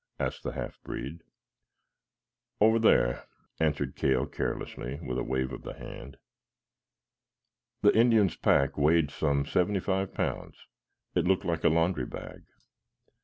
asked the half breed. "Over there," answered Cale carelessly, with a wave of the hand. The Indian's pack weighed some seventy five pounds. It looked like a laundry bag.